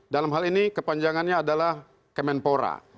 dalam hal ini kepanjangannya adalah kemenpora